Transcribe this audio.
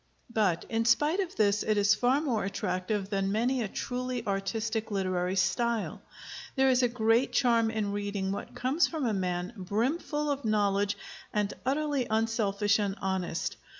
But in spite of this it is far more attractive than many a truly artistic literary style. There is a great charm in reading what comes from a man brimful of knowledge and utterly unselfish and honest.